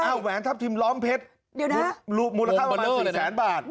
เอ้าแหวนทัพทิมล้อมเพชรมูลค่าประมาณ๔แสนบาทเดี๋ยวนะโมงบันเนอร์เลยนะ